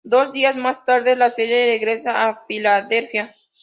Dos días más tarde, la serie regresa a Filadelfia.